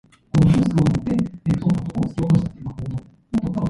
It creates sentencing times specific to crimes covered under the law.